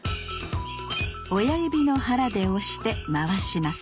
親指の腹で押して回します